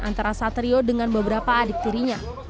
antara satrio dengan beberapa adik tirinya